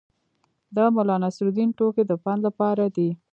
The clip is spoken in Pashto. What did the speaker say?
د ملانصرالدین ټوکې د پند لپاره دي.